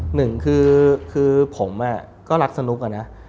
หนึ่งคือผมก็รักสนุกอะนะ